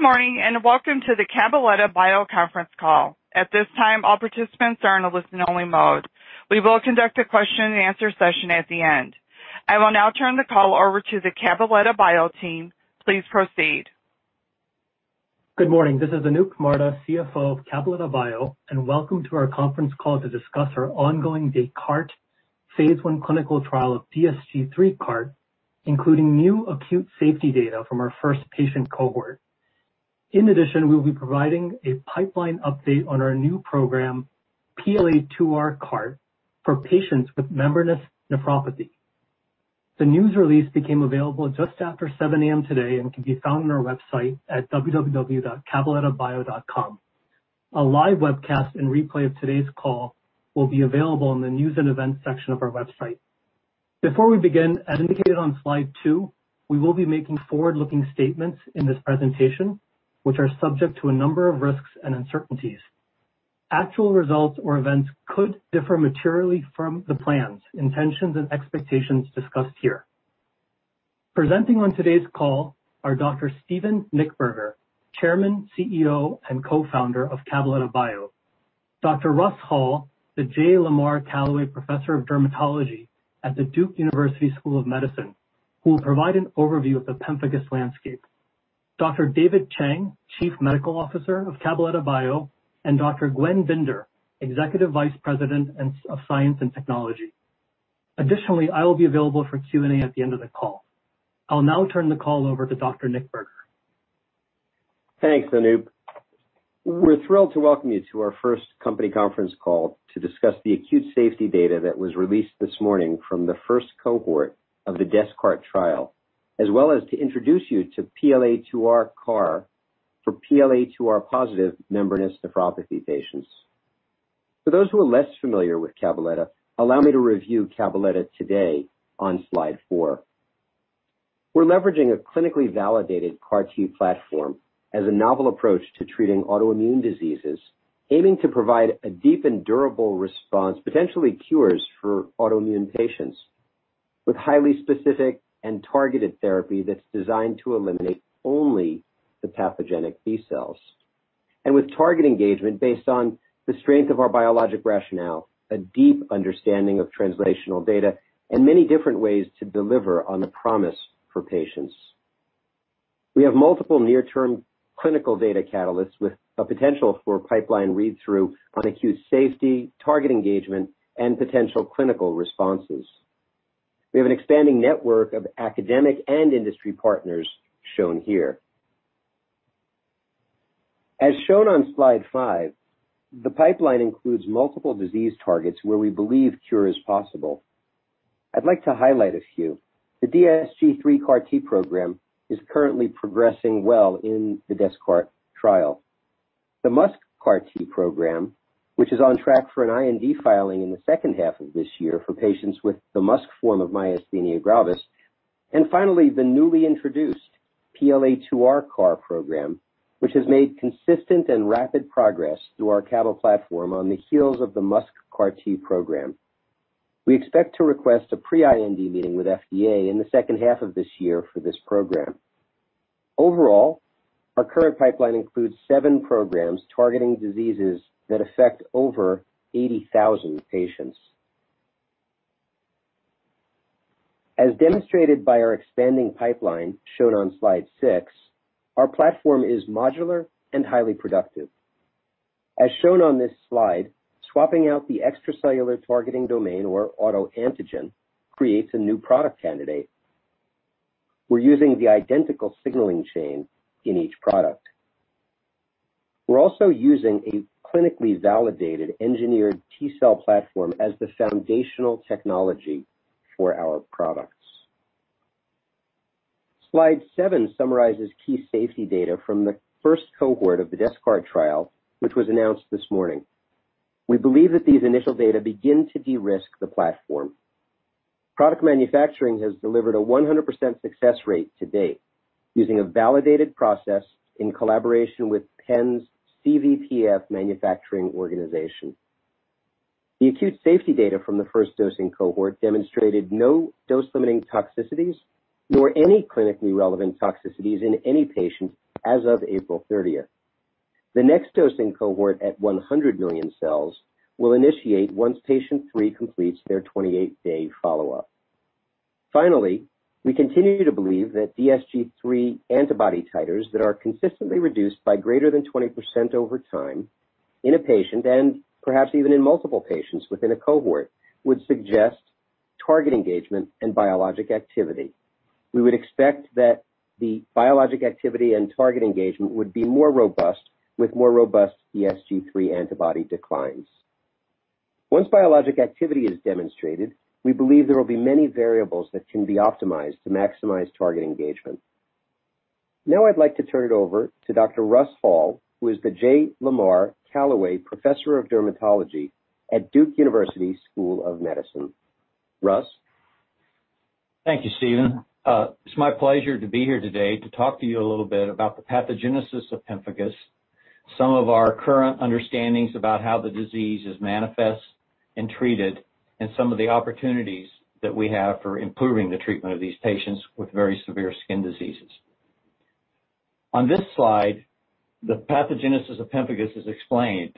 Good morning. Welcome to the Cabaletta Bio conference call. At this time, all participants are in a listen-only mode. We will conduct a question and answer session at the end. I will now turn the call over to the Cabaletta Bio team. Please proceed. Good morning. This is Anup Marda, Chief Financial Officer of Cabaletta Bio, and welcome to our conference call to discuss our ongoing DesCAARTes phase I clinical trial of DSG3-CAART, including new acute safety data from our first patient cohort. In addition, we will be providing a pipeline update on our new program, PLA2R-CAART, for patients with membranous nephropathy. The news release became available just after 7:00 A.M. today and can be found on our website at www.cabalettabio.com. A live webcast and replay of today's call will be available in the News and Events section of our website. Before we begin, as indicated on slide two, we will be making forward-looking statements in this presentation, which are subject to a number of risks and uncertainties. Actual results or events could differ materially from the plans, intentions, and expectations discussed here. Presenting on today's call are Dr. Steven Nichtberger, Chairman, CEO, and Co-founder of Cabaletta Bio. Dr. Russ Hall, the J. Lamar Callaway Distinguished Professor of Dermatology at the Duke University School of Medicine, who will provide an overview of the pemphigus landscape. Dr. David Chang, Chief Medical Officer of Cabaletta Bio, and Dr. Gwen Binder, Executive Vice President of Science and Technology. Additionally, I will be available for Q&A at the end of the call. I'll now turn the call over to Dr. Nichtberger. Thanks, Anup. We're thrilled to welcome you to our first company conference call to discuss the acute safety data that was released this morning from the first cohort of the DesCAARTes trial, as well as to introduce you to PLA2R-CAART for PLA2R-positive membranous nephropathy patients. For those who are less familiar with Cabaletta, allow me to review Cabaletta today on slide four. We're leveraging a clinically validated CAR T platform as a novel approach to treating autoimmune diseases, aiming to provide a deep and durable response, potentially cures for autoimmune patients, with highly specific and targeted therapy that's designed to eliminate only the pathogenic B cells, and with target engagement based on the strength of our biologic rationale, a deep understanding of translational data, and many different ways to deliver on the promise for patients. We have multiple near-term clinical data catalysts with a potential for pipeline read-through on acute safety, target engagement, and potential clinical responses. We have an expanding network of academic and industry partners shown here. As shown on slide five, the pipeline includes multiple disease targets where we believe cure is possible. I'd like to highlight a few. The DSG3-CAART program is currently progressing well in the DesCAARTes trial. The MuSK-CAART program, which is on track for an IND filing in the second half of this year for patients with the MuSK-associated myasthenia gravis. Finally, the newly introduced PLA2R-CAART program, which has made consistent and rapid progress through our CABA platform on the heels of the MuSK-CAART program. We expect to request a pre-IND meeting with FDA in the second half of this year for this program. Overall, our current pipeline includes seven programs targeting diseases that affect over 80,000 patients. As demonstrated by our expanding pipeline shown on slide six, our platform is modular and highly productive. As shown on this slide, swapping out the extracellular targeting domain or autoantigen creates a new product candidate. We're using the identical signaling chain in each product. We're also using a clinically validated engineered T-cell platform as the foundational technology for our products. Slide seven summarizes key safety data from the first cohort of the DesCAARTes trial, which was announced this morning. We believe that these initial data begin to de-risk the platform. Product manufacturing has delivered a 100% success rate to date using a validated process in collaboration with Penn's CVPF manufacturing organization. The acute safety data from the first dosing cohort demonstrated no dose-limiting toxicities nor any clinically relevant toxicities in any patient as of April 30th. The next dosing cohort at 100 million cells will initiate once patient three completes their 28-day follow-up. Finally, we continue to believe that DSG3 antibody titers that are consistently reduced by greater than 20% over time in a patient, and perhaps even in multiple patients within a cohort, would suggest target engagement and biologic activity. We would expect that the biologic activity and target engagement would be more robust with more robust DSG3 antibody declines. Once biologic activity is demonstrated, we believe there will be many variables that can be optimized to maximize target engagement. Now I'd like to turn it over to Dr. Russ Hall, who is the J. Lamar Callaway Distinguished Professor of Dermatology at Duke University School of Medicine. Russ? Thank you, Steven. It's my pleasure to be here today to talk to you a little bit about the pathogenesis of pemphigus. Some of our current understandings about how the disease is manifest and treated, and some of the opportunities that we have for improving the treatment of these patients with very severe skin diseases. On this slide, the pathogenesis of pemphigus is explained.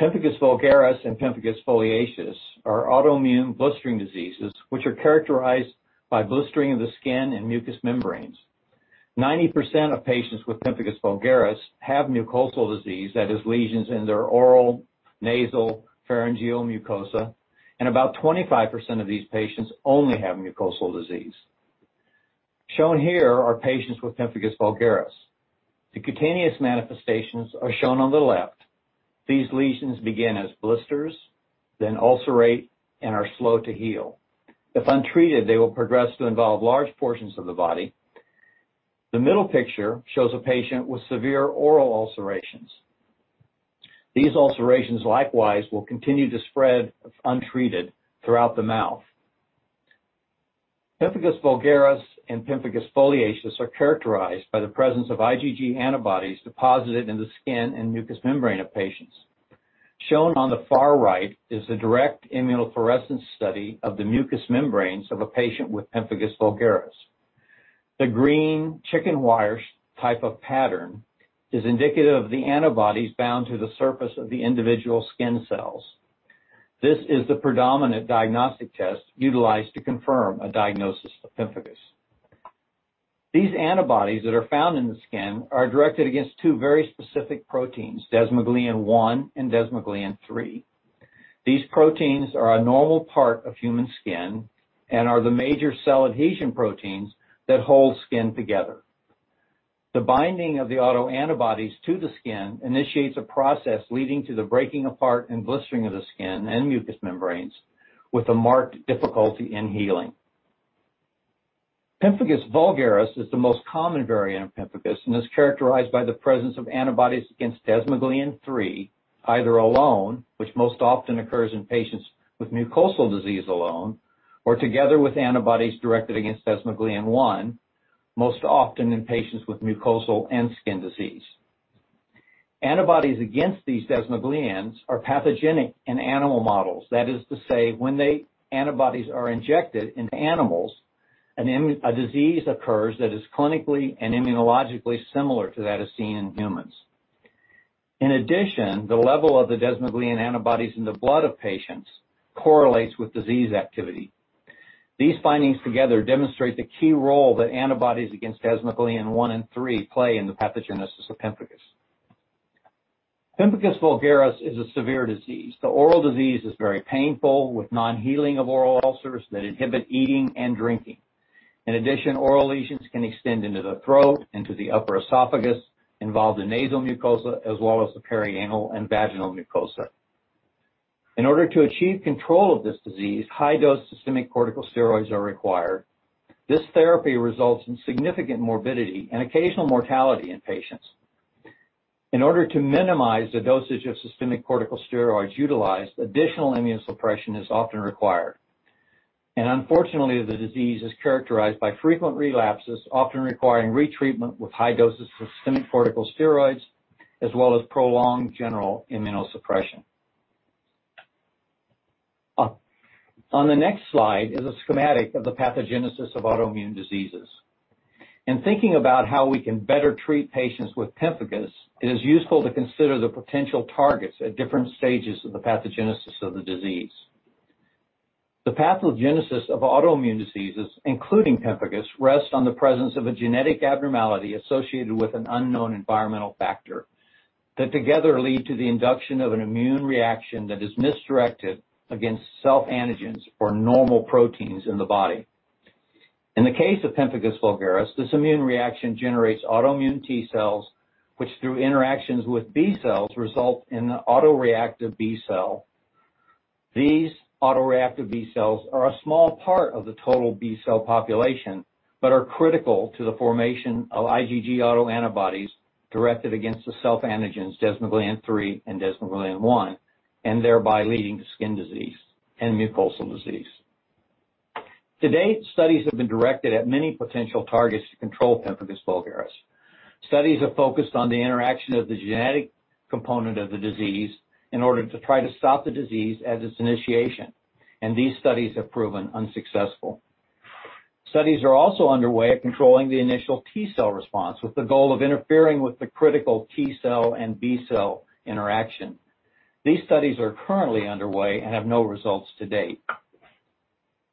Pemphigus vulgaris and pemphigus foliaceus are autoimmune blistering diseases which are characterized by blistering of the skin and mucous membranes. 90% of patients with pemphigus vulgaris have mucosal disease, that is, lesions in their oral, nasal, pharyngeal mucosa, and about 25% of these patients only have mucosal disease. Shown here are patients with pemphigus vulgaris. The cutaneous manifestations are shown on the left. These lesions begin as blisters, then ulcerate and are slow to heal. If untreated, they will progress to involve large portions of the body. The middle picture shows a patient with severe oral ulcerations. These ulcerations likewise will continue to spread if untreated throughout the mouth. Pemphigus vulgaris and pemphigus foliaceus are characterized by the presence of IgG antibodies deposited in the skin and mucous membrane of patients. Shown on the far right is the direct immunofluorescence study of the mucous membranes of a patient with pemphigus vulgaris. The green chicken wire type of pattern is indicative of the antibodies bound to the surface of the individual skin cells. This is the predominant diagnostic test utilized to confirm a diagnosis of pemphigus. These antibodies that are found in the skin are directed against two very specific proteins, desmoglein one and desmoglein three. These proteins are a normal part of human skin and are the major cell adhesion proteins that hold skin together. The binding of the autoantibodies to the skin initiates a process leading to the breaking apart and blistering of the skin and mucous membranes with a marked difficulty in healing. pemphigus vulgaris is the most common variant of pemphigus and is characterized by the presence of antibodies against desmoglein three, either alone, which most often occurs in patients with mucosal disease alone or together with antibodies directed against desmoglein one, most often in patients with mucosal and skin disease. Antibodies against these desmogleins are pathogenic in animal models. That is to say, when the antibodies are injected into animals, a disease occurs that is clinically and immunologically similar to that as seen in humans. In addition, the level of the desmoglein antibodies in the blood of patients correlates with disease activity. These findings together demonstrate the key role that antibodies against desmoglein one and three play in the pathogenesis of pemphigus. Pemphigus vulgaris is a severe disease. The oral disease is very painful, with non-healing of oral ulcers that inhibit eating and drinking. Oral lesions can extend into the throat, into the upper esophagus, involve the nasal mucosa, as well as the perianal and vaginal mucosa. In order to achieve control of this disease, high dose systemic corticosteroids are required. This therapy results in significant morbidity and occasional mortality in patients. In order to minimize the dosage of systemic corticosteroids utilized, additional immunosuppression is often required and unfortunately, the disease is characterized by frequent relapses, often requiring retreatment with high doses of systemic corticosteroids, as well as prolonged general immunosuppression. On the next slide is a schematic of the pathogenesis of autoimmune diseases. In thinking about how we can better treat patients with pemphigus, it is useful to consider the potential targets at different stages of the pathogenesis of the disease. The pathogenesis of autoimmune diseases, including pemphigus, rests on the presence of a genetic abnormality associated with an unknown environmental factor that together lead to the induction of an immune reaction that is misdirected against self-antigens or normal proteins in the body. In the case of pemphigus vulgaris, this immune reaction generates autoimmune T cells, which through interactions with B cells, result in the autoreactive B cell. These autoreactive B cells are a small part of the total B cell population, but are critical to the formation of IgG autoantibodies directed against the self-antigens desmoglein three and desmoglein one, and thereby leading to skin disease and mucosal disease. To date, studies have been directed at many potential targets to control pemphigus vulgaris. Studies have focused on the interaction of the genetic component of the disease in order to try to stop the disease at its initiation and these studies have proven unsuccessful. Studies are also underway at controlling the initial T cell response with the goal of interfering with the critical T cell and B cell interaction. These studies are currently underway and have no results to date.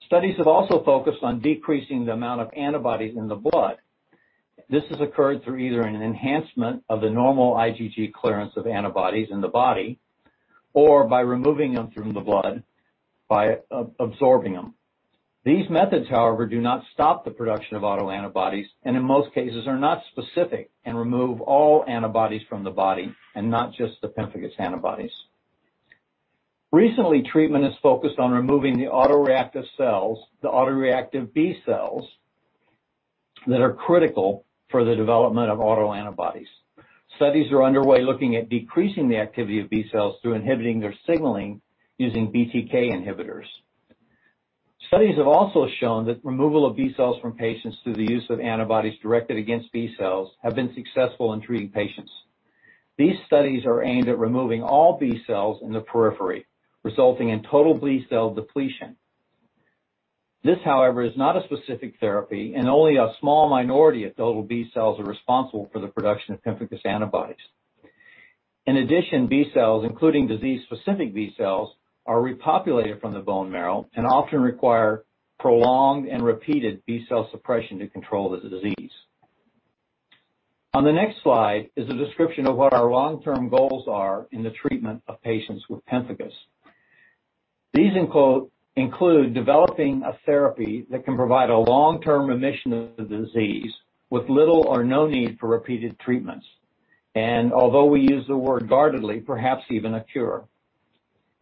Studies have also focused on decreasing the amount of antibodies in the blood. This has occurred through either an enhancement of the normal IgG clearance of antibodies in the body or by removing them from the blood by absorbing them. These methods, however, do not stop the production of autoantibodies and in most cases are not specific and remove all antibodies from the body and not just the pemphigus antibodies. Recently, treatment has focused on removing the autoreactive cells, the autoreactive B cells, that are critical for the development of autoantibodies. Studies are underway looking at decreasing the activity of B cells through inhibiting their signaling using BTK inhibitors. Studies have also shown that removal of B cells from patients through the use of antibodies directed against B cells have been successful in treating patients. These studies are aimed at removing all B cells in the periphery, resulting in total B cell depletion. This, however, is not a specific therapy and only a small minority of total B cells are responsible for the production of pemphigus antibodies. In addition, B cells, including disease-specific B cells, are repopulated from the bone marrow and often require prolonged and repeated B cell suppression to control the disease. On the next slide is a description of what our long-term goals are in the treatment of patients with pemphigus. These include developing a therapy that can provide a long-term remission of the disease with little or no need for repeated treatments, and although we use the word guardedly, perhaps even a cure.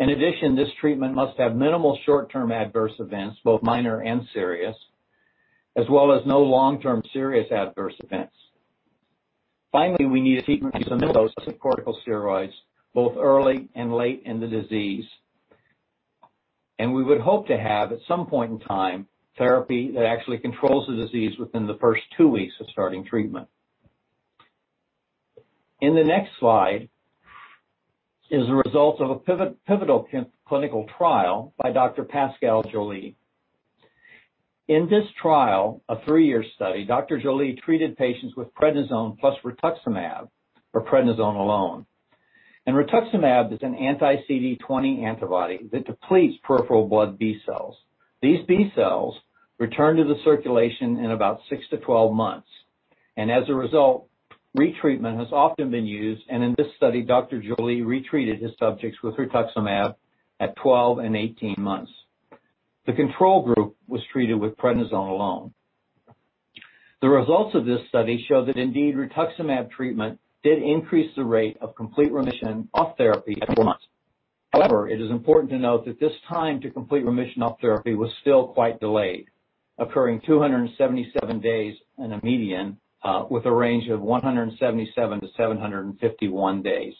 In addition, this treatment must have minimal short-term adverse events, both minor and serious, as well as no long-term serious adverse events. Finally, we need a treatment that can minimize the use of corticosteroids, both early and late in the disease. We would hope to have, at some point in time, therapy that actually controls the disease within the first two weeks of starting treatment. In the next slide is the result of a pivotal clinical trial by Dr Pascal Joly. In this trial, a three-year study, Dr. Joly treated patients with prednisone plus rituximab or prednisone alone. Rituximab is an anti-CD20 antibody that depletes peripheral blood B cells. These B cells return to the circulation in about 6 - 12 months. As a result, retreatment has often been used, and in this study, Dr. Joly retreated his subjects with rituximab at 12 and 18 months. The control group was treated with prednisone alone. The results of this study show that indeed, rituximab treatment did increase the rate of complete remission off therapy at four months. However, it is important to note that this time to complete remission off therapy was still quite delayed, occurring 277 days in a median, with a range of 177-751 days.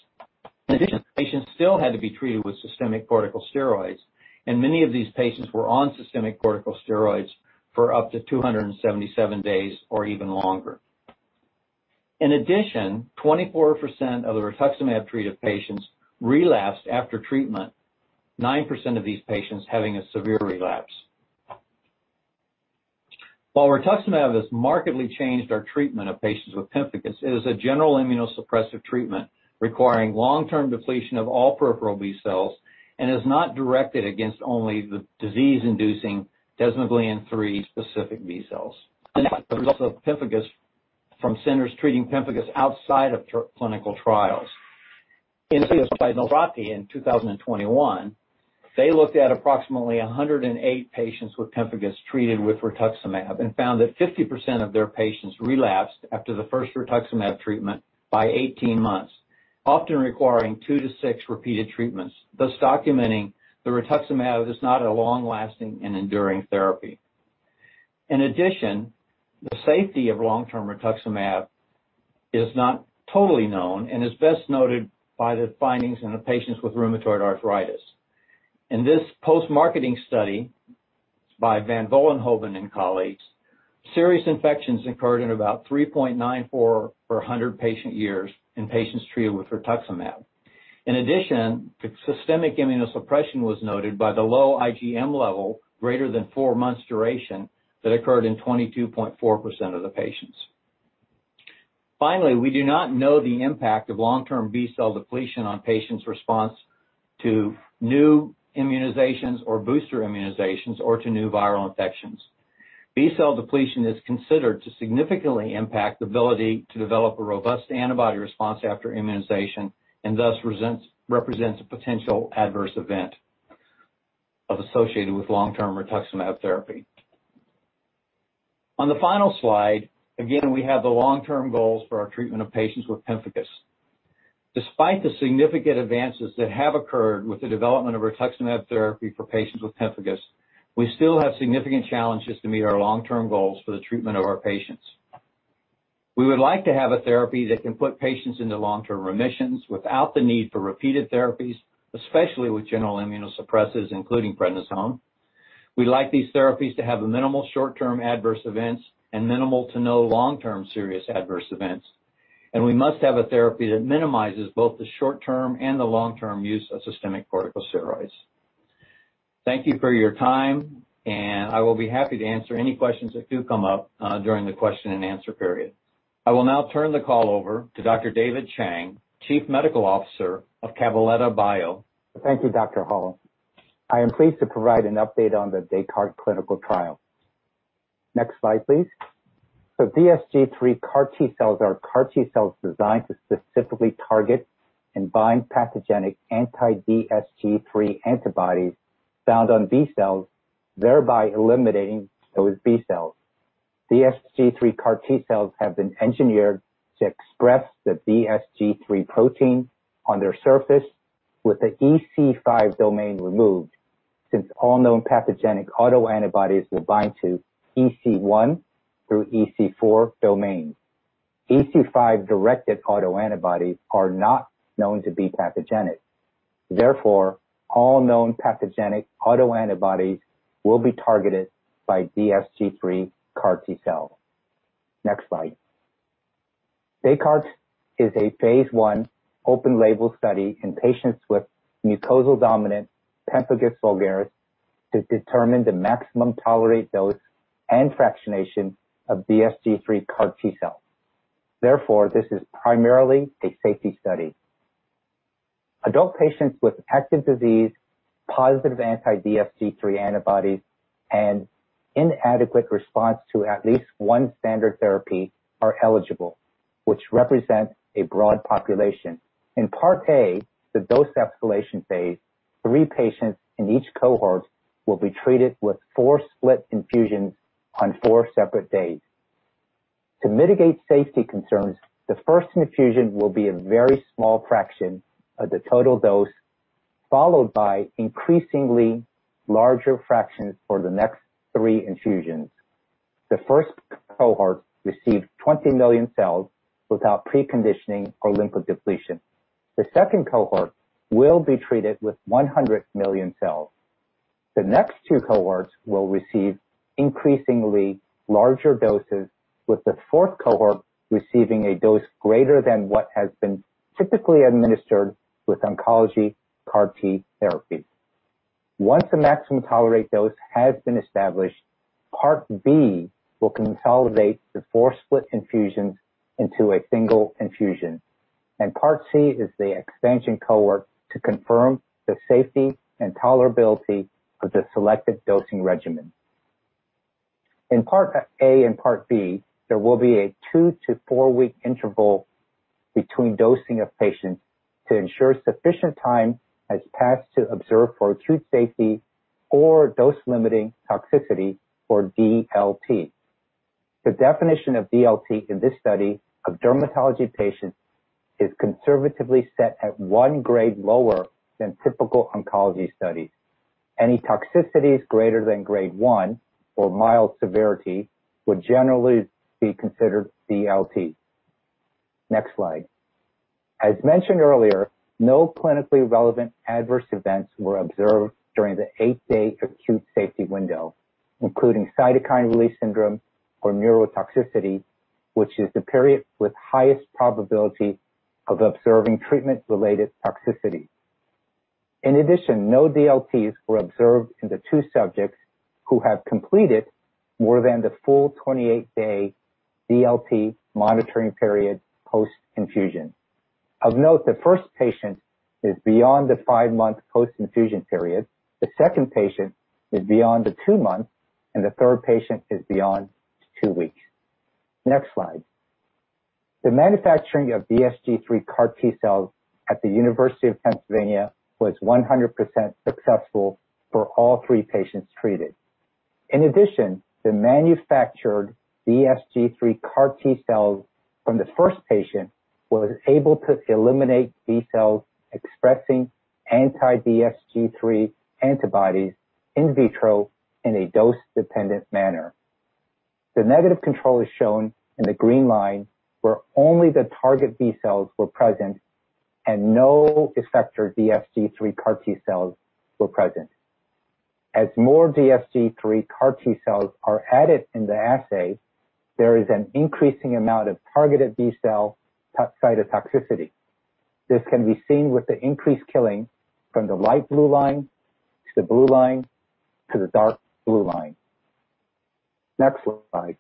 Patients still had to be treated with systemic corticosteroids, and many of these patients were on systemic corticosteroids for up to 277 days or even longer. 24% of the rituximab-treated patients relapsed after treatment, nine percent of these patients having a severe relapse. Rituximab has markedly changed our treatment of patients with pemphigus, it is a general immunosuppressive treatment requiring long-term depletion of all peripheral B cells and is not directed against only the disease-inducing desmoglein 3 specific B cells. The next slide shows the results of pemphigus from centers treating pemphigus outside of clinical trials. In a study by Novotny in 2021, they looked at approximately 108 patients with pemphigus treated with rituximab and found that 50% of their patients relapsed after the first rituximab treatment by 18 months, often requiring two - six repeated treatments, thus documenting that rituximab is not a long-lasting and enduring therapy. In addition, the safety of long-term rituximab is not totally known and is best noted by the findings in the patients with rheumatoid arthritis. In this post-marketing study by Van Vollenhoven and colleagues, serious infections occurred in about 3.94 per 100 patient years in patients treated with rituximab. In addition, systemic immunosuppression was noted by the low IgM level greater than four months duration that occurred in 22.4% of the patients. Finally, we do not know the impact of long-term B cell depletion on patients' response to new immunizations or booster immunizations, or to new viral infections. B cell depletion is considered to significantly impact the ability to develop a robust antibody response after immunization, and thus represents a potential adverse event associated with long-term rituximab therapy. On the final slide, again, we have the long-term goals for our treatment of patients with pemphigus. Despite the significant advances that have occurred with the development of rituximab therapy for patients with pemphigus, we still have significant challenges to meet our long-term goals for the treatment of our patients. We would like to have a therapy that can put patients into long-term remissions without the need for repeated therapies, especially with general immunosuppressants, including prednisone. We'd like these therapies to have minimal short-term adverse events and minimal to no long-term serious adverse events. We must have a therapy that minimizes both the short-term and the long-term use of systemic corticosteroids. Thank you for your time, and I will be happy to answer any questions that do come up during the question and answer period. I will now turn the call over to Dr. David Chang, Chief Medical Officer of Cabaletta Bio. Thank you, Dr. Hall. I am pleased to provide an update on the DesCAARTes clinical trial. Next slide, please. DSG3 CAR T cells are CAR T cells designed to specifically target and bind pathogenic anti-DSG3 antibodies found on B cells, thereby eliminating those B cells. DSG3 CAR T cells have been engineered to express the DSG3 protein on their surface with the EC5 domain removed, since all known pathogenic autoantibodies bind to EC1 through EC4 domains. EC5-directed autoantibodies are not known to be pathogenic. All known pathogenic autoantibodies will be targeted by DSG3 CAR T cells. Next slide. DesCAARTes is a phase I open label study in patients with mucosal-dominant pemphigus vulgaris to determine the maximum tolerated dose and fractionation of DSG3 CAR T cells. This is primarily a safety study. Adult patients with active disease, positive anti-DSG3 antibodies, and inadequate response to at least one standard therapy are eligible, which represents a broad population. In Part A, the dose escalation phase, 3 patients in each cohort will be treated with four split infusions on four separate days. To mitigate safety concerns, the first infusion will be a very small fraction of the total dose, followed by increasingly larger fractions for the next three infusions. The first cohort received 20 million cells without preconditioning or lymphodepletion. The second cohort will be treated with 100 million cells. The next two cohorts will receive increasingly larger doses, with the fourth cohort receiving a dose greater than what has been typically administered with oncology CAR T therapy. Once the maximum tolerated dose has been established, Part B will consolidate the four split infusions into a single infusion, and Part C is the expansion cohort to confirm the safety and tolerability of the selected dosing regimen. In Part A and Part B, there will be a two to four-week interval between dosing of patients to ensure sufficient time has passed to observe for acute safety or dose-limiting toxicity, or DLT. The definition of DLT in this study of dermatology patients is conservatively set at one grade lower than typical oncology studies. Any toxicities greater than Grade one, or mild severity, would generally be considered DLT. Next slide. As mentioned earlier, no clinically relevant adverse events were observed during the eight-day acute safety window, including cytokine release syndrome or neurotoxicity, which is the period with highest probability of observing treatment-related toxicity. In addition, no DLTs were observed in the two subjects who have completed more than the full 28-day DLT monitoring period post-infusion. Of note, the first patient is beyond the five-month post-infusion period. The second patient is beyond the two months, and the third patient is beyond two weeks. Next slide. The manufacturing of DSG3 CAR T cells at the University of Pennsylvania was 100% successful for all three patients treated. In addition, the manufactured DSG3 CAR T cells from the first patient was able to eliminate B cells expressing anti-DSG3 antibodies in vitro in a dose-dependent manner. The negative control is shown in the green line, where only the target B cells were present and no effector DSG3 CAR T cells were present. As more DSG3 CAR T cells are added in the assay, there is an increasing amount of targeted B-cell cytotoxicity. This can be seen with the increased killing from the light blue line, to the blue line, to the dark blue line. Next slide.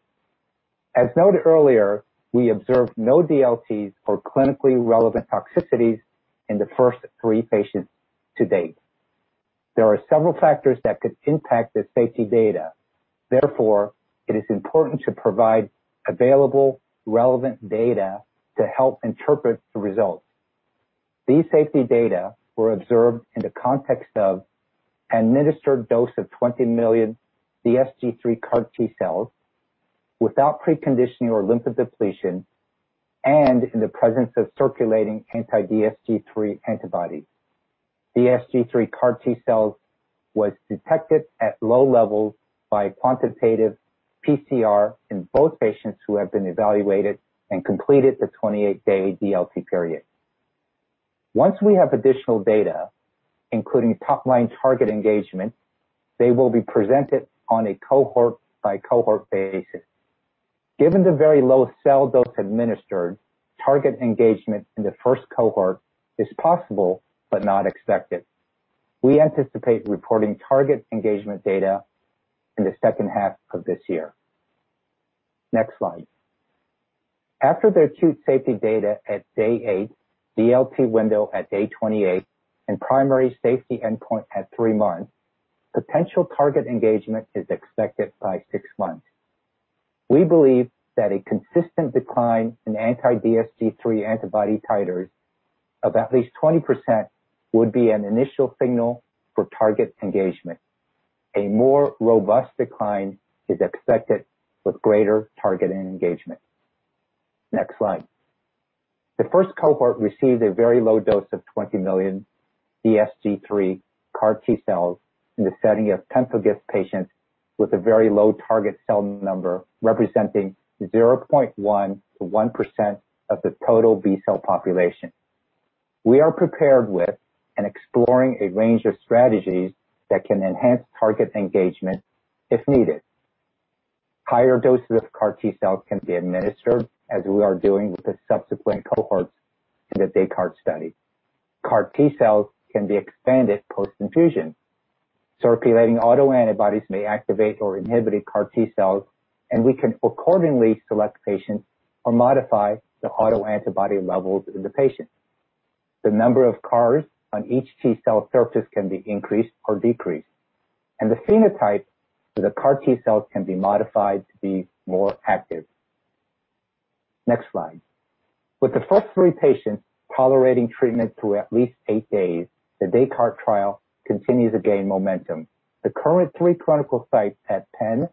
As noted earlier, we observed no DLTs or clinically relevant toxicities in the first three patients to date. There are several factors that could impact the safety data. It is important to provide available relevant data to help interpret the results. These safety data were observed in the context of administered dose of 20 million DSG3 CAR T cells without preconditioning or lymphodepletion and in the presence of circulating anti-DSG3 antibodies. DSG3 CAR T cells was detected at low levels by quantitative PCR in both patients who have been evaluated and completed the 28-day DLT period. Once we have additional data, including top-line target engagement, they will be presented on a cohort-by-cohort basis. Given the very low cell dose administered, target engagement in the first cohort is possible but not expected. We anticipate reporting target engagement data in the second half of this year. Next slide. After the acute safety data at day eight, DLT window at day 28, and primary safety endpoint at three months, potential target engagement is expected by six months. We believe that a consistent decline in anti-DSG3 antibody titers of at least 20% would be an initial signal for target engagement. A more robust decline is expected with greater target engagement. Next slide. The first cohort received a very low dose of 20 million DSG3 CAR T-cells in the setting of pemphigus patients with a very low target cell number, representing 0.1% - one percent of the total B-cell population. We are prepared with and exploring a range of strategies that can enhance target engagement if needed. Higher doses of CAR T-cells can be administered as we are doing with the subsequent cohorts in the DesCAARTes study. CAR T-cells can be expanded post-infusion. Circulating autoantibodies may activate or inhibit CAR T-cells, and we can accordingly select patients or modify the autoantibody levels in the patient. The number of CARs on each T-cell surface can be increased or decreased, and the phenotype for the CAR T-cells can be modified to be more active. Next slide. With the first three patients tolerating treatment through at least eight days, the DesCAARTes trial continues to gain momentum. The current three clinical sites at Penn,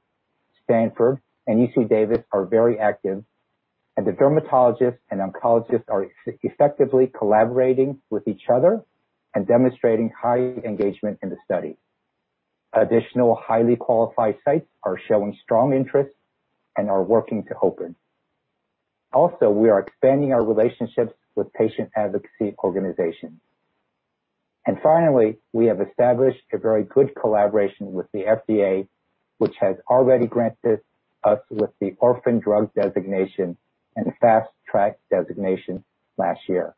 Stanford, and UC Davis are very active, and the dermatologists and oncologists are effectively collaborating with each other and demonstrating high engagement in the study. Additional highly qualified sites are showing strong interest and are working to open. Also, we are expanding our relationships with patient advocacy organizations. Finally, we have established a very good collaboration with the FDA, which has already granted us with the orphan drug designation and fast track designation last year.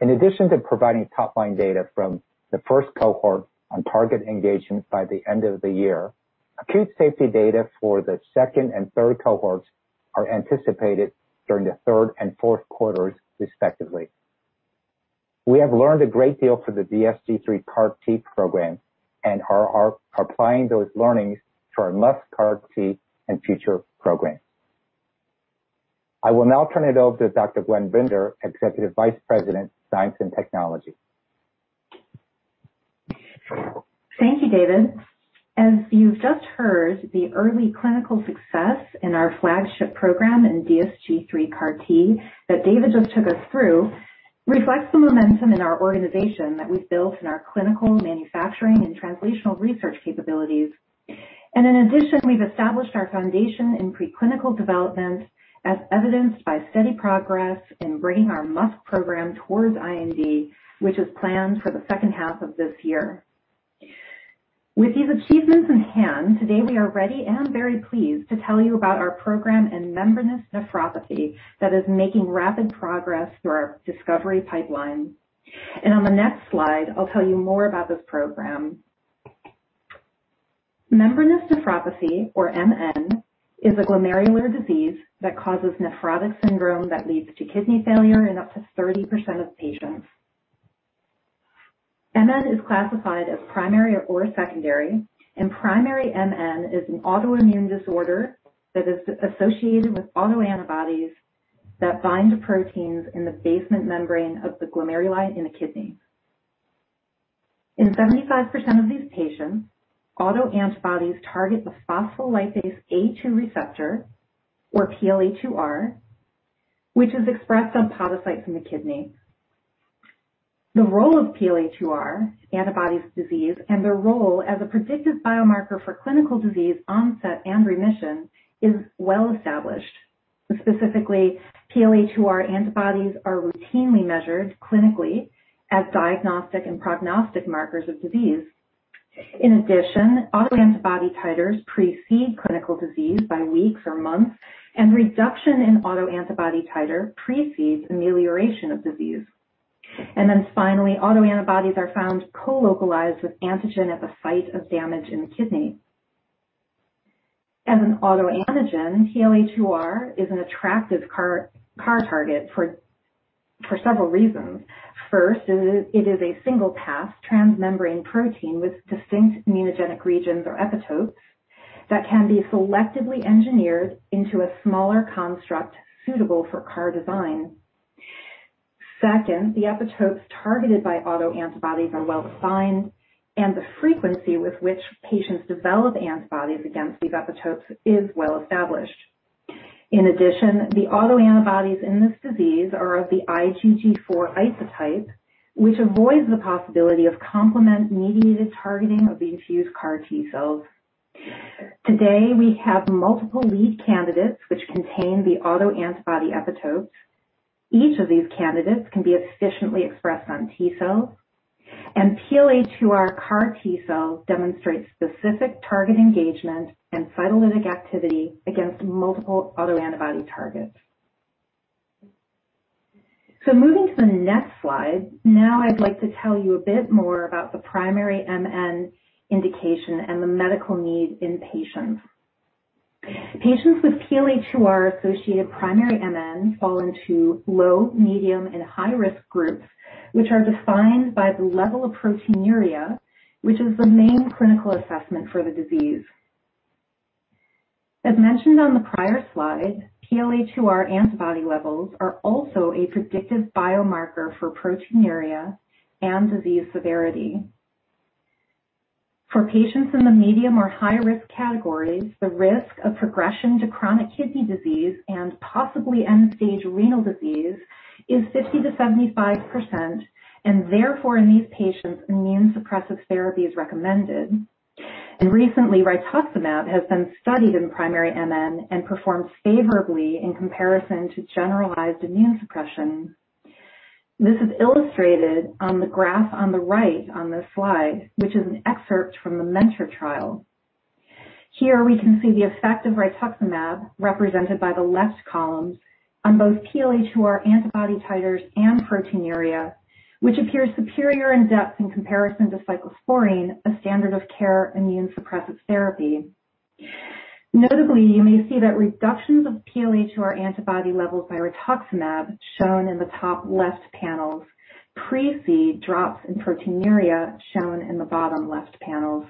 In addition to providing top-line data from the first cohort on target engagement by the end of the year, acute safety data for the second and third cohorts are anticipated during the third and fourth quarters, respectively. We have learned a great deal from the DSG3-CAART program and are applying those learnings to our MuSK-CAART and future programs. I will now turn it over to Dr. Gwendolyn Binder, Executive Vice President, Science and Technology. Thank you, David. As you've just heard, the early clinical success in our flagship program in DSG3-CAART that David just took us through reflects the momentum in our organization that we've built in our clinical manufacturing and translational research capabilities. In addition, we've established our foundation in preclinical development as evidenced by steady progress in bringing our MUS program towards IND, which is planned for the second half of this year. With these achievements in hand, today we are ready and very pleased to tell you about our program in membranous nephropathy that is making rapid progress through our discovery pipeline. On the next slide, I'll tell you more about this program. Membranous nephropathy, or MN, is a glomerular disease that causes nephrotic syndrome that leads to kidney failure in up to 30% of patients. MN is classified as primary or secondary, and primary MN is an autoimmune disorder that is associated with autoantibodies that bind to proteins in the basement membrane of the glomeruli in the kidney. In 75% of these patients, autoantibodies target the phospholipase A2 receptor, or PLA2R, which is expressed on podocytes in the kidney. The role of PLA2R antibodies disease and their role as a predictive biomarker for clinical disease onset and remission is well established. Specifically, PLA2R antibodies are routinely measured clinically as diagnostic and prognostic markers of disease. In addition, autoantibody titers precede clinical disease by weeks or months, and reduction in autoantibody titer precedes amelioration of disease. Finally, autoantibodies are found colocalized with antigen at the site of damage in the kidney. As an autoantigen, PLA2R is an attractive CAR target for several reasons. First, it is a single pass transmembrane protein with distinct immunogenic regions or epitopes that can be selectively engineered into a smaller construct suitable for CAR design. Second, the epitopes targeted by autoantibodies are well defined, and the frequency with which patients develop antibodies against these epitopes is well established. In addition, the autoantibodies in this disease are of the IgG4 isotype, which avoids the possibility of complement-mediated targeting of the infused CAR T-cells. Today, we have multiple lead candidates which contain the autoantibody epitopes. Each of these candidates can be efficiently expressed on T-cells, and PLA2R CAR T-cells demonstrate specific target engagement and cytolytic activity against multiple autoantibody targets. Moving to the next slide, now I'd like to tell you a bit more about the primary MN indication and the medical need in patients. Patients with PLA2R-associated primary MN fall into low, medium, and high-risk groups, which are defined by the level of proteinuria, which is the main clinical assessment for the disease. As mentioned on the prior slide, PLA2R antibody levels are also a predictive biomarker for proteinuria and disease severity. For patients in the medium or high-risk categories, the risk of progression to chronic kidney disease and possibly end-stage renal disease is 50%-75%, and therefore, in these patients, immune suppressive therapy is recommended. Recently, rituximab has been studied in primary MN and performs favorably in comparison to generalized immune suppression. This is illustrated on the graph on the right on this slide, which is an excerpt from the MENTOR trial. Here we can see the effect of rituximab, represented by the left columns, on both PLA2R antibody titers and proteinuria, which appears superior in depth in comparison to cyclosporine, a standard of care immune suppressive therapy. Notably, you may see that reductions of PLA2R antibody levels by rituximab, shown in the top left panels, precede drops in proteinuria, shown in the bottom left panels.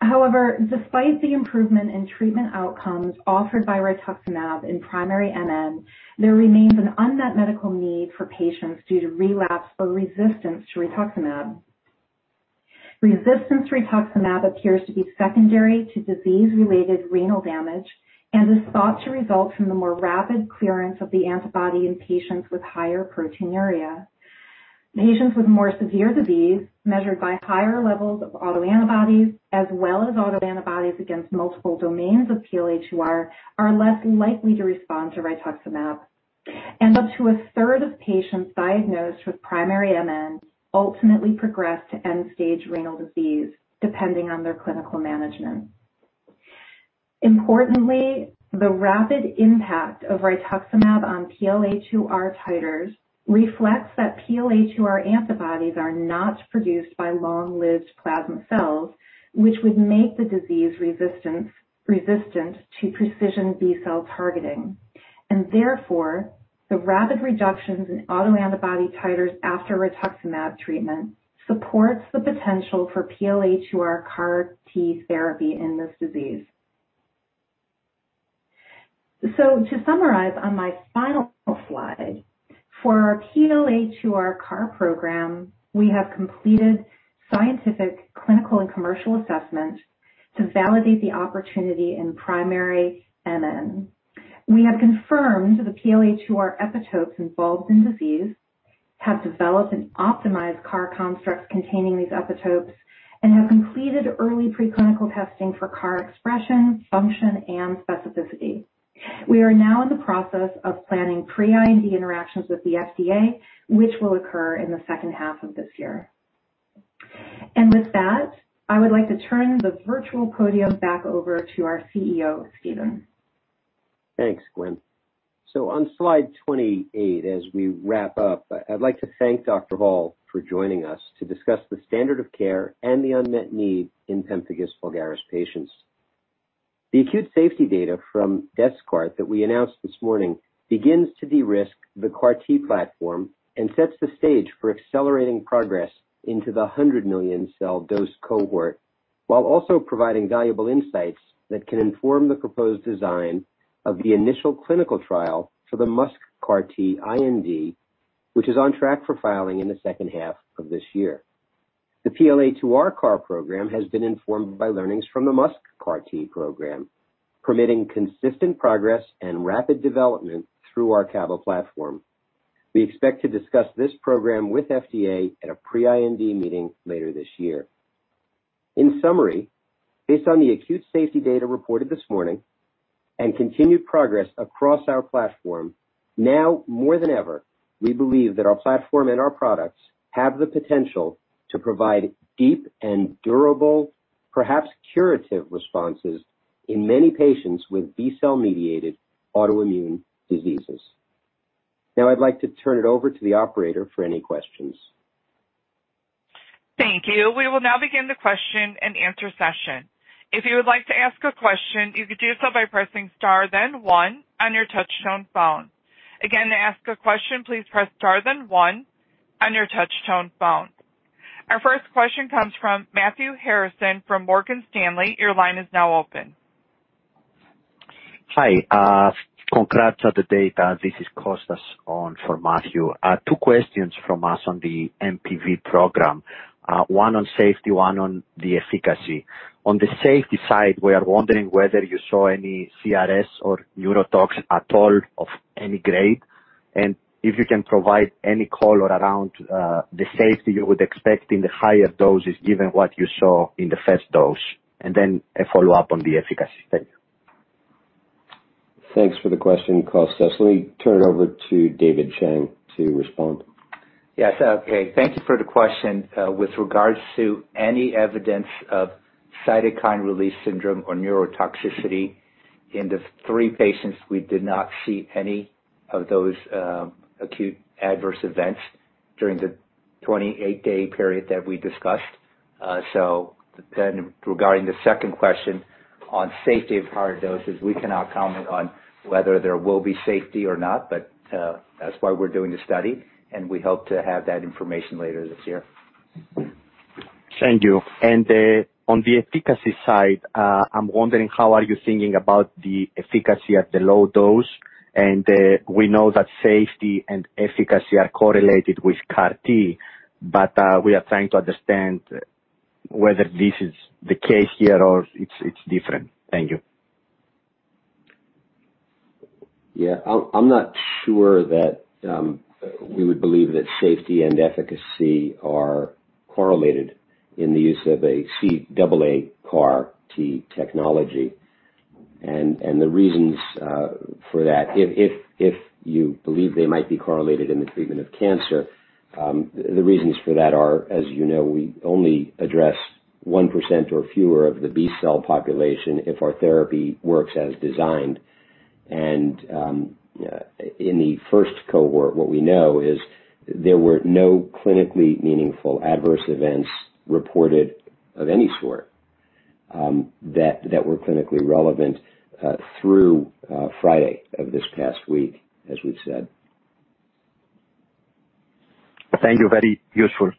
However, despite the improvement in treatment outcomes offered by rituximab in primary MN, there remains an unmet medical need for patients due to relapse or resistance to rituximab. Resistance to rituximab appears to be secondary to disease-related renal damage and is thought to result from the more rapid clearance of the antibody in patients with higher proteinuria. Patients with more severe disease, measured by higher levels of autoantibodies, as well as autoantibodies against multiple domains of PLA2R, are less likely to respond to rituximab, and up to a third of patients diagnosed with primary MN ultimately progress to end-stage renal disease, depending on their clinical management. Importantly, the rapid impact of rituximab on PLA2R titers reflects that PLA2R antibodies are not produced by long-lived plasma cells, which would make the disease resistant to precision B cell targeting. Therefore, the rapid reductions in autoantibody titers after rituximab treatment supports the potential for PLA2R CAR T therapy in this disease. On my final slide, for our PLA2R CAR program, we have completed scientific, clinical, and commercial assessment to validate the opportunity in primary MN. We have confirmed the PLA2R epitopes involved in disease, have developed and optimized CAAR constructs containing these epitopes, and have completed early preclinical testing for CAAR expression, function, and specificity. We are now in the process of planning pre-IND interactions with the FDA, which will occur in the second half of this year. With that, I would like to turn the virtual podium back over to our CEO, Steven. Thanks, Gwen. On slide 28, as we wrap up, I'd like to thank Dr. Wahl for joining us to discuss the standard of care and the unmet need in pemphigus vulgaris patients. The acute safety data from DesCAARTes that we announced this morning begins to de-risk the CAAR T platform and sets the stage for accelerating progress into the 100 million cell dose cohort, while also providing valuable insights that can inform the proposed design of the initial clinical trial for the MuSK-CAART IND, which is on track for filing in the second half of this year. The PLA2R-CAART program has been informed by learnings from the MuSK-CAART program, permitting consistent progress and rapid development through our CABA platform. We expect to discuss this program with FDA at a pre-IND meeting later this year. In summary, based on the acute safety data reported this morning, and continued progress across our platform, now more than ever, we believe that our platform and our products have the potential to provide deep and durable, perhaps curative responses in many patients with B cell-mediated autoimmune diseases. Now I'd like to turn it over to the operator for any questions. Thank you. We will now begin the question and answer session. If you would like to ask a question, you could do so by pressing star then one on your touchtone phone. Again, to ask a question, please press star then one on your touchtone phone. Our first question comes from Matthew Harrison from Morgan Stanley. Your line is now open. Hi. Congrats on the data. This is Kostas on for Matthew. Two questions from us on the mPV program, one on safety, one on the efficacy. On the safety side, we are wondering whether you saw any CRS or neurotox at all of any grade, and if you can provide any color around the safety you would expect in the higher doses given what you saw in the first dose. A follow-up on the efficacy study. Thanks for the question, Kostas. Let me turn it over to David Chang to respond. Yes, okay. Thank you for the question. With regards to any evidence of cytokine release syndrome or neurotoxicity, in the three patients, we did not see any of those acute adverse events during the 28-day period that we discussed. Regarding the second question on safety of higher doses, we cannot comment on whether there will be safety or not, but that's why we're doing the study, and we hope to have that information later this year. Thank you. On the efficacy side, I'm wondering how are you thinking about the efficacy at the low dose? We know that safety and efficacy are correlated with CAR T, we are trying to understand whether this is the case here or it's different. Thank you. Yeah. I'm not sure that we would believe that safety and efficacy are correlated in the use of a CAAR T technology, and the reasons for that, if you believe they might be correlated in the treatment of cancer, the reasons for that are, as you know, we only address 1% or fewer of the B cell population if our therapy works as designed. In the first cohort, what we know is there were no clinically meaningful adverse events reported of any sort that were clinically relevant through Friday of this past week, as we've said. Thank you. Very useful.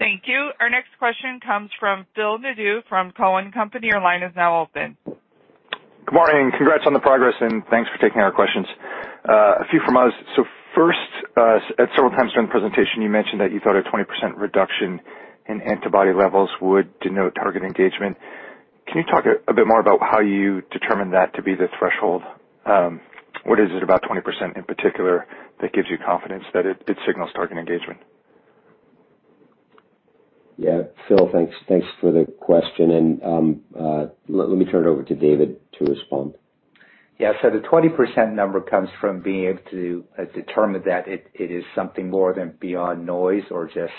Thank you. Our next question comes from Philip Nadeau from Cowen and Company. Your line is now open. Good morning. Congrats on the progress. Thanks for taking our questions. A few from us. First, at several times during the presentation, you mentioned that you thought a 20% reduction in antibody levels would denote target engagement. Can you talk a bit more about how you determined that to be the threshold? What is it about 20% in particular that gives you confidence that it signals target engagement? Yeah. Phil, thanks for the question, and let me turn it over to David to respond. Yeah. The 20% number comes from being able to determine that it is something more than beyond noise or just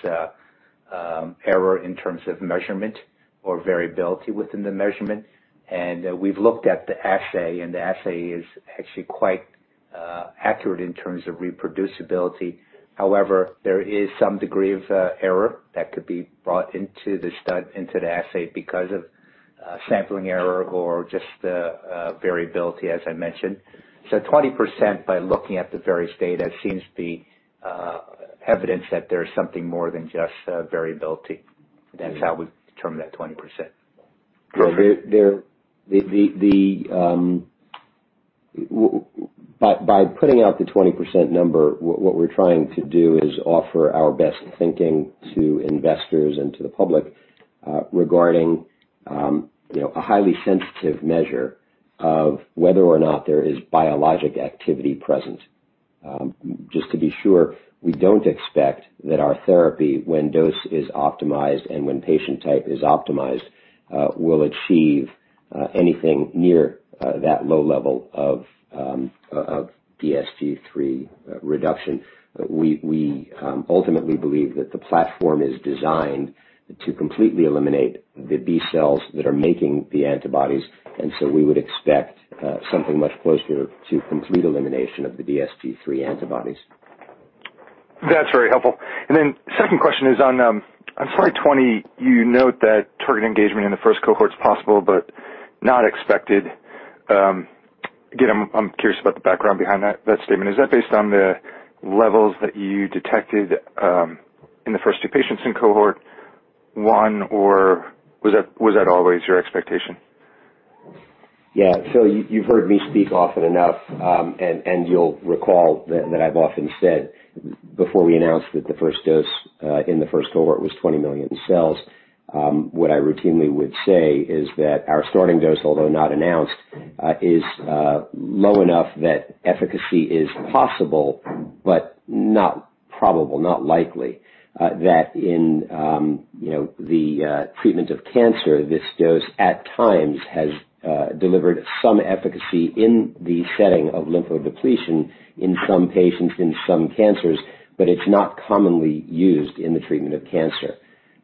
error in terms of measurement or variability within the measurement. We've looked at the assay, and the assay is actually quite accurate in terms of reproducibility. However, there is some degree of error that could be brought into the assay because of sampling error or just variability, as I mentioned. The 20%, by looking at the various data, seems to be evidence that there's something more than just variability. That's how we've determined that 20%. By putting out the 20% number, what we're trying to do is offer our best thinking to investors and to the public regarding a highly sensitive measure of whether or not there is biologic activity present. Just to be sure, we don't expect that our therapy, when dose is optimized and when patient type is optimized, will achieve anything near that low level of DSG3 reduction. We ultimately believe that the platform is designed to completely eliminate the B cells that are making the antibodies, and so we would expect something much closer to complete elimination of the DSG3 antibodies. That's very helpful. Second question is on slide 20, you note that target engagement in the first cohort is possible, but not expected. Again, I'm curious about the background behind that statement. Is that based on the levels that you detected in the first two patients in cohort one, or was that always your expectation? Yeah. Phil, you've heard me speak often enough, and you'll recall that I've often said, before we announced that the first dose in the first cohort was 20 million cells, what I routinely would say is that our starting dose, although not announced, is low enough that efficacy is possible but not probable, not likely. In the treatment of cancer, this dose at times has delivered some efficacy in the setting of lymphodepletion in some patients in some cancers, but it's not commonly used in the treatment of cancer.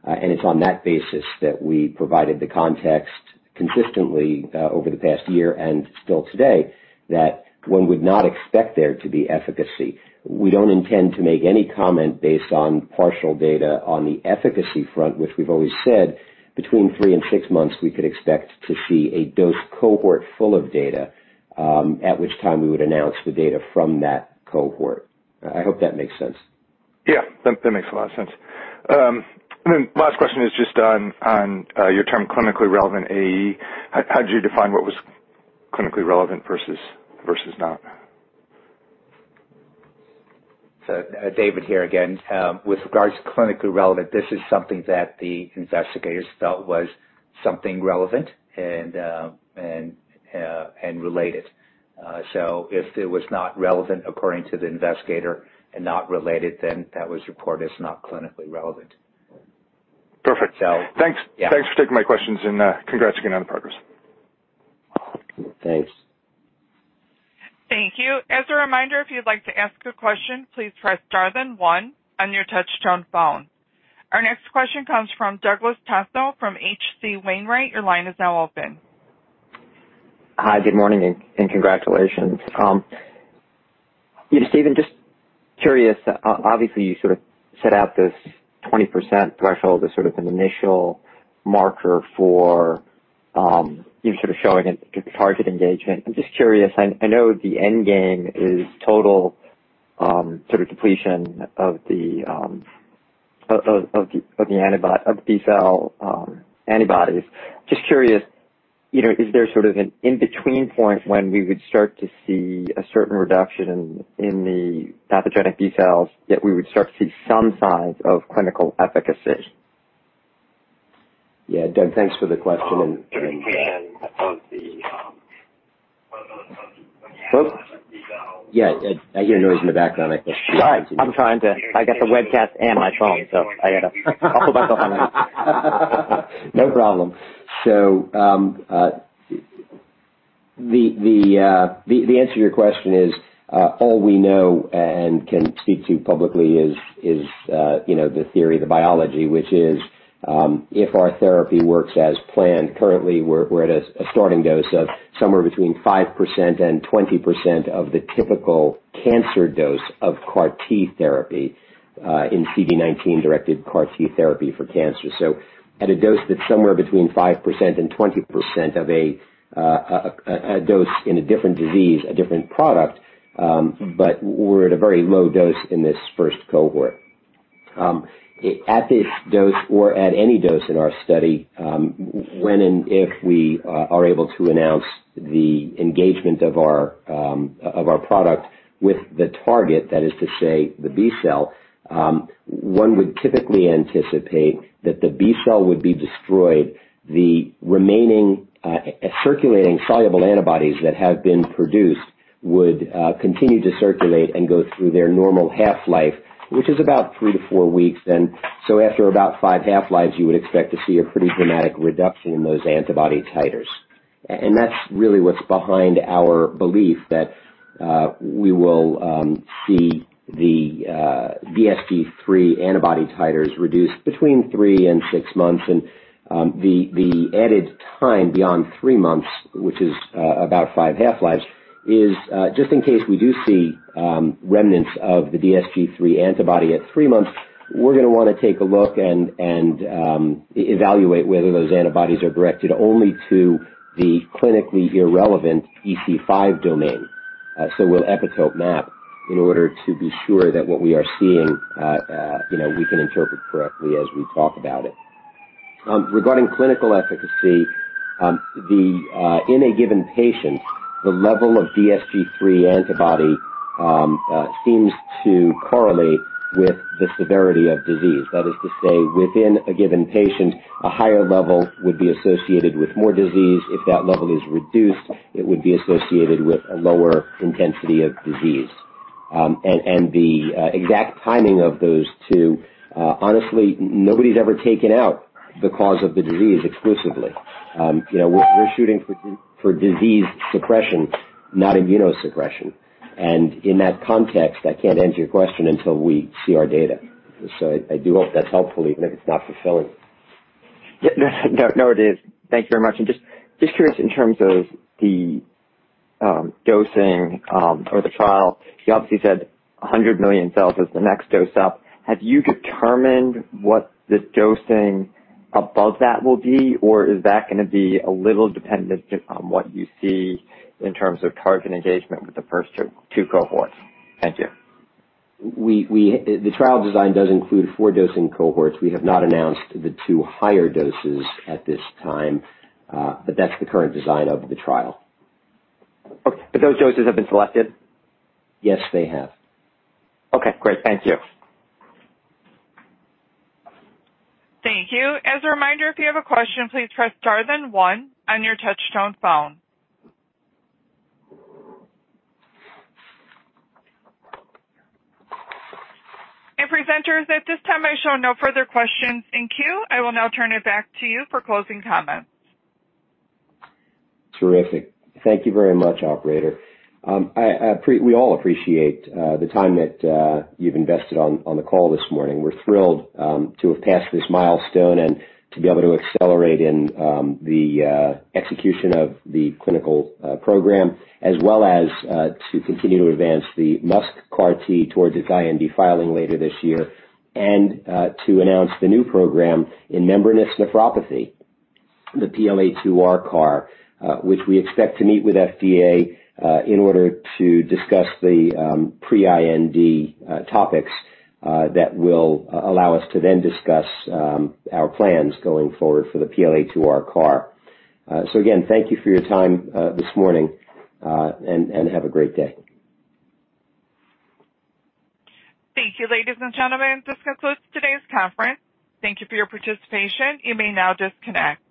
It's on that basis that we provided the context consistently over the past year and still today that one would not expect there to be efficacy. We don't intend to make any comment based on partial data on the efficacy front, which we've always said between three and six months, we could expect to see a dose cohort full of data, at which time we would announce the data from that cohort. I hope that makes sense. Yeah. That makes a lot of sense. Last question is just on your term clinically relevant AE. How'd you define what was clinically relevant versus not? David here again. With regards to clinically relevant, this is something that the investigators felt was something relevant and related. If it was not relevant according to the investigator and not related, then that was reported as not clinically relevant. Perfect. So. Thanks. Yeah. Thanks for taking my questions and congrats again on the progress. Thanks. Thank you. As a reminder, if you'd like to ask a question, please press star then one on your touch-tone phone. Our next question comes from Douglas Tasto from H.C. Wainwright. Your line is now open. Hi, good morning, congratulations. Steven, just curious, obviously, you sort of set out this 20% threshold as sort of an initial marker for sort of showing target engagement. I'm just curious, I know the end game is total sort of depletion of the B cell antibodies. Just curious, is there sort of an in-between point when we would start to see a certain reduction in the pathogenic B cells, yet we would start to see some signs of clinical efficacy? Yeah, Doug, thanks for the question. Oops. Yeah, I hear noise in the background. Sorry. I'm trying to I got the webcast and my phone, so I got to hold myself in line. No problem. The answer to your question is, all we know and can speak to publicly is the theory, the biology, which is, if our therapy works as planned, currently, we're at a starting dose of somewhere between five percent and 20% of the typical cancer dose of CAR T therapy, in CD19-directed CAR T therapy for cancer. At a dose that's somewhere between five percent and 20% of a dose in a different disease, a different product, but we're at a very low dose in this first cohort. At this dose or at any dose in our study, when and if we are able to announce the engagement of our product with the target, that is to say, the B-cell, one would typically anticipate that the B-cell would be destroyed. The remaining circulating soluble antibodies that have been produced would continue to circulate and go through their normal half-life, which is about three to four weeks. After about five half-lives, you would expect to see a pretty dramatic reduction in those antibody titers. That's really what's behind our belief that we will see the DSG3 antibody titers reduce between three and six months. The added time beyond three months, which is about five half-lives, is just in case we do see remnants of the DSG3 antibody at three months, we're going to want to take a look and evaluate whether those antibodies are directed only to the clinically irrelevant EC5 domain. We'll epitope map in order to be sure that what we are seeing, we can interpret correctly as we talk about it. Regarding clinical efficacy, in a given patient, the level of DSG3 antibody seems to correlate with the severity of disease. That is to say, within a given patient, a higher level would be associated with more disease. If that level is reduced, it would be associated with a lower intensity of disease. The exact timing of those two, honestly, nobody's ever taken out the cause of the disease exclusively. We're shooting for disease suppression, not immunosuppression. In that context, I can't answer your question until we see our data. I do hope that's helpful, even if it's not fulfilling. No, it is. Thank you very much. Just curious in terms of the dosing for the trial. You obviously said 100 million cells is the next dose up. Have you determined what the dosing above that will be, or is that going to be a little dependent just on what you see in terms of target engagement with the first two cohorts? Thank you. The trial design does include four dosing cohorts. We have not announced the two higher doses at this time. That's the current design of the trial. Okay. Those doses have been selected? Yes, they have. Okay, great. Thank you. Thank you. As a reminder, if you have a question, please press star then one on your touchtone phone. Presenters, at this time, I show no further questions in queue. I will now turn it back to you for closing comments. Terrific. Thank you very much, operator. We all appreciate the time that you've invested on the call this morning. We're thrilled to have passed this milestone and to be able to accelerate in the execution of the clinical program, as well as to continue to advance the MuSK-CAART towards an IND filing later this year, to announce the new program in membranous nephropathy, the PLA2R-CAART, which we expect to meet with FDA in order to discuss the pre-IND topics that will allow us to then discuss our plans going forward for the PLA2R-CAART. Again, thank you for your time this morning, and have a great day. Thank you, ladies and gentlemen. This concludes today's conference. Thank you for your participation. You may now disconnect.